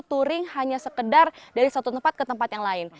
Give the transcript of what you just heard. touring hanya sekedar dari satu tempat ke tempat yang lain